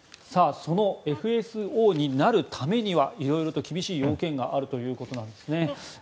そのＦＳＯになるためには色々と厳しい要件があるということなんですね。